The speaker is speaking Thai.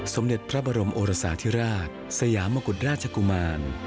สมเด็จพระบรมโอรสาธิราชสยามกุฎราชกุมาร